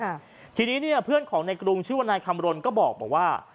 ค่ะทีนี้เนี้ยเพื่อนของในกรุงชื่อว่านายคำรณก็บอกว่า